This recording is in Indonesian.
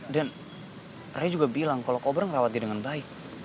dan raya juga bilang kalau kobar ngerawat dia dengan baik